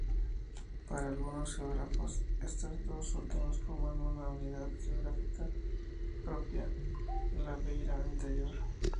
Para algunos geógrafos, estas dos últimas forman una unidad geográfica propia: la Beira Interior.